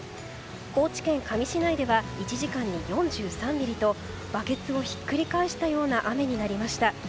高知県香美市内では１時間に４３ミリとバケツをひっくり返したような雨になりました。